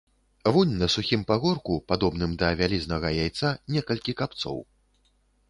Вунь на сухім пагорку, падобным да вялізнага яйца, некалькі капцоў.